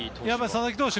佐々木投手